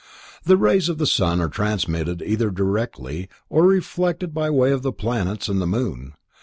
The rays of the sun are transmitted either directly, or reflected by way of the planets and the moon.